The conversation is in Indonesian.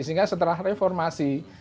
sehingga setelah reformasi